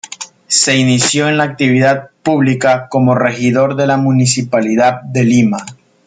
Se inició en la actividad pública como regidor de la Municipalidad de Lima.